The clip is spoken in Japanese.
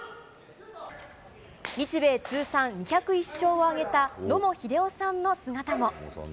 日米通算２０１勝を挙げた野茂英雄さんの姿も。